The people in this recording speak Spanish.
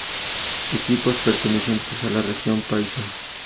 Equipos pertenecientes a la Región Paisa.